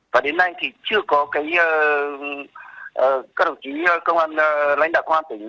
và đến nay thì chưa có các đồng chí công an lãnh đạo công an tỉnh